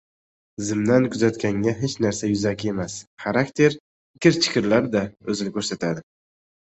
Zimdan kuzatganga hech narsa yuzaki emas. Xarakter ikir-chikirlarda o‘zini ko‘rsatadi.